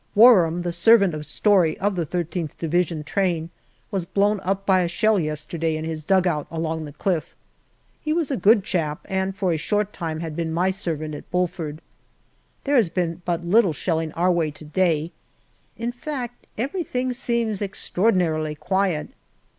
Warham, the servant of Storey, of the I3th Division Train, was blown up by a shell yesterday in his dugout along the cliff. He was a good chap, and for a short time had been my servant at Bulford. There has been but little shelling our way to day in fact, everything seems extraordinarily quiet.